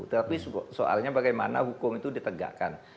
tapi soalnya bagaimana hukum itu ditegakkan